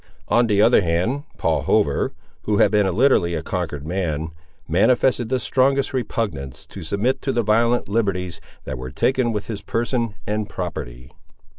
On the other hand Paul Hover, who had been literally a conquered man, manifested the strongest repugnance to submit to the violent liberties that were taken with his person and property.